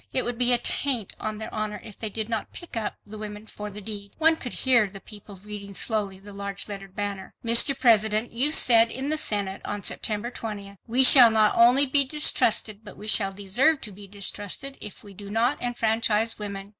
It would be a taint on their honor, if they did not "pick up" the women for the deed. One could hear the people reading slowly the large lettered banner: MR. PRESIDENT, YOU SAID IN THE SENATE ON SEPTEMBER 20 "WE SHALL NOT ONLY BE DISTRUSTED BUT WE SHALL DESERVE TO BE DISTRUSTED IF WE DO NOT ENFRANCHISE WOMEN."